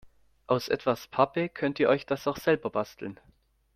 Aus etwas Pappe könnt ihr euch das auch selber basteln.